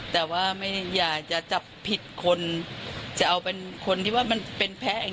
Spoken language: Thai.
แต่ว่าไม่อยากจะจับผิดคนจะเอาเป็นคนที่ว่ามันเป็นแพ้เอง